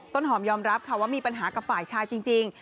ต้นหอมยอมรับค่ะว่ามีปัญหากับฝ่ายชายจริง